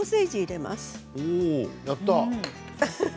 やったー！